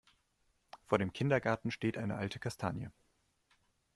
Vor dem Kindergarten steht eine alte Kastanie.